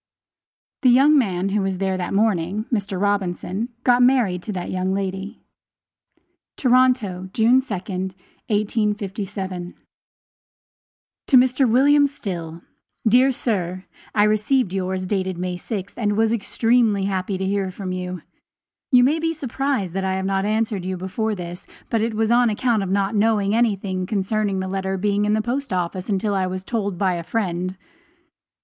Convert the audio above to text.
The young man who was there that morning, Mr. Robinson, got married to that young lady. TORONTO, June 2d, 1857. To MR. WM. STILL Dear Sir: I received yours dated May 6th, and was extremely happy to hear from you. You may be surprised that I have not answered you before this, but it was on account of not knowing anything concerning the letter being in the post office until I was told so by a friend.